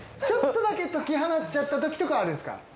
ちょっとだけ解き放っちゃったときとかあれですか？